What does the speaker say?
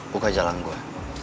buka jalan gue